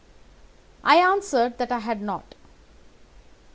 "I answered that I had not.